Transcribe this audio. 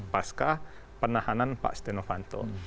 pasca penahanan pak sidenovanto